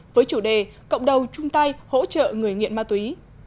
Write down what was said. với chủ đề cộng đồng trung tây hỗ trợ người nghiện ma túy